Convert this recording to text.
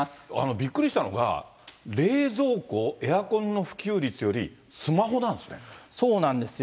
びっくりしたのが、冷蔵庫、エアコンの普及率よりスマホなんそうなんですよ。